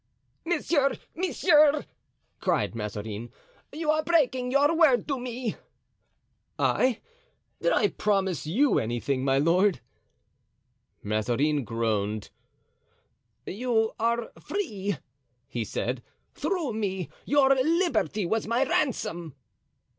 "Monsieur, monsieur," cried Mazarin, "you are breaking your word to me!" "I—did I promise you anything, my lord?" Mazarin groaned. "You are free," he said, "through me; your liberty was my ransom."